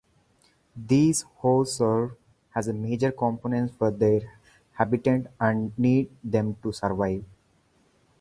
These hosts serve as major components for their habitat and need them to survive.